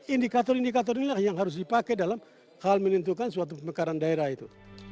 indikator indikator inilah yang harus dipakai dalam hal menentukan suatu pemekaran daerah itu